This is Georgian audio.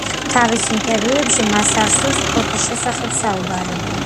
თავის ინტერვიუებში მას არ სურს სპორტის შესახებ საუბარი.